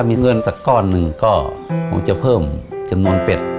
มีเงินสักก้อนหนึ่งก็คงจะเพิ่มจำนวนเป็ด